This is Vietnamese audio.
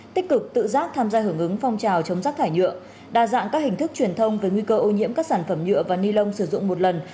tích cực tự giác tham gia hưởng ứng phong trào chống rác thải nhựa đa dạng các hình thức truyền thông về nguy cơ ô nhiễm các sản phẩm nhựa và ni lông sử dụng một lần